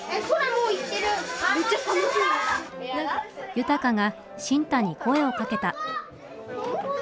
悠鷹が新太に声をかけた。